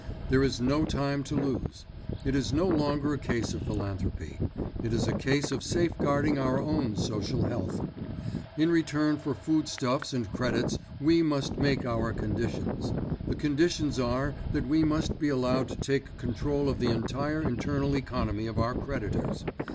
There is no time to lose. It is no longer a case of philanthropy; it is a case of safeguarding our own social health. In return for food stuffs and credits we must make our conditions; the conditions are that we must be allowed to take control of the entire internal economy of our creditors.